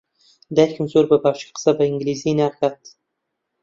دایکم زۆر بەباشی قسە بە ئینگلیزی ناکات.